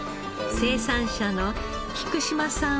生産者の菊島さん